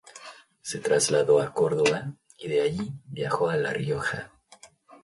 Se trasladó a Córdoba, y de allí viajó a La Rioja.